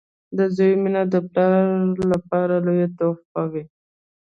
• د زوی مینه د پلار لپاره لویه تحفه وي.